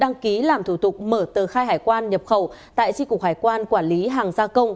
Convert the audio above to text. đăng ký làm thủ tục mở tờ khai hải quan nhập khẩu tại tri cục hải quan quản lý hàng gia công